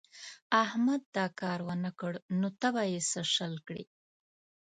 احمد دا کار و نه کړ نو ته به يې څه شل کړې.